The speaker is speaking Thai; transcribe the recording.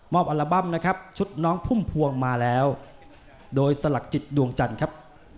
อัลบั้มนะครับชุดน้องพุ่มพวงมาแล้วโดยสลักจิตดวงจันทร์ครับ